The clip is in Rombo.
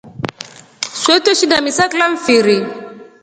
Swee tweshinda misa kila mfiri.